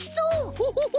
ホホホ！